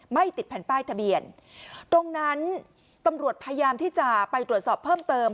ไม่ติดแผ่นป้ายทะเบียนตรงนั้นตำรวจพยายามที่จะไปตรวจสอบเพิ่มเติม